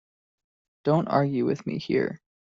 Don't argue with me here.